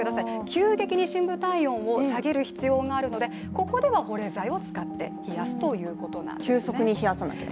急激に深部体温を下げる必要があるのでここでは保冷剤を使って冷やすということなんですね。